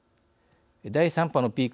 第３波のピーク